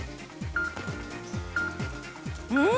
うん？